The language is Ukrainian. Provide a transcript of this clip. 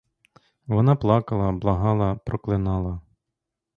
Вона плакала, благала, проклинала.